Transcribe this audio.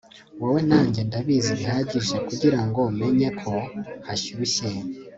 Wowe na njye ndabizi bihagije kugirango menye ko hashyushye